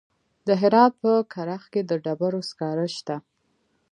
د هرات په کرخ کې د ډبرو سکاره شته.